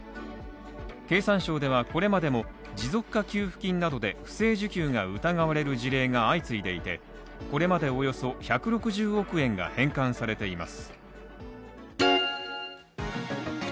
経産省ではこれまでも持続化給付金などで不正受給が疑われる事例が相次いでいて、これまでおよそ１６０億円が返還されています。